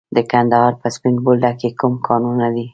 د کندهار په سپین بولدک کې کوم کانونه دي؟